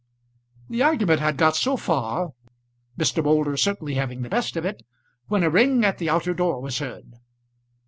The argument had got so far, Mr. Moulder certainly having the best of it, when a ring at the outer door was heard.